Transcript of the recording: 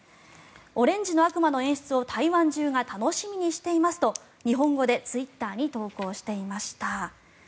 オレンジの悪魔の演出を台湾中が楽しみにしていますと日本語でツイッターに投稿していました。